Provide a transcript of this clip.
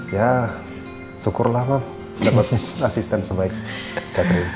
ya syukurlah ma dapat asisten sebaik catherine